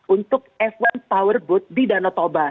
untuk f satu power boat di danau toba